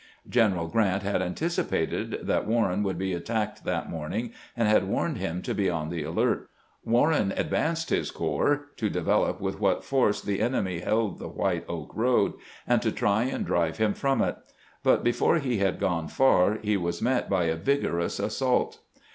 General Grant had anticipated that Warren would be attacked that morning, and had warned him to be on the alert. Warren advanced his corps to develop with what force the enemy held the White Oak road, and to try and drive him from it ; but before he had gone far he was met by a vigorous assault.